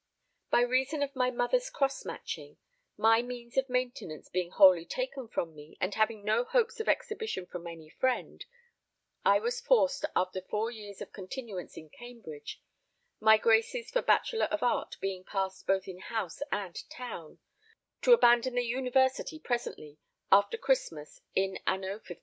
By reason of my mother's cross matching, my means of maintenance being wholly taken from me, and having no hopes of exhibition from any friend, I was forced after four years continuance in Cambridge, my graces for Bachelor of Art being passed both in house and town, to abandon the University presently after Christmas in anno 1590.